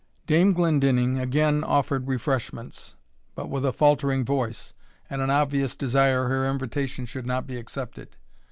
Dame Glendinning again offered refreshments, but with a faltering voice, and an obvious desire her invitation should not be accepted.